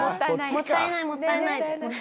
もったいないもったいないって。